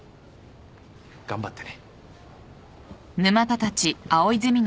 頑張ってね。